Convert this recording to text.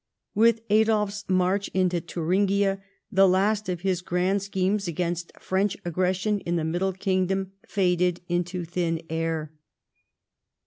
With Adolf's march into Thuringia the last of his grand schemes against French aggression in the Middle Kingdom faded into thin air.